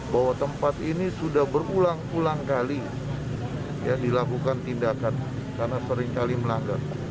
bahwa tempat ini sudah berulang ulang kali dilakukan tindakan karena seringkali melanggar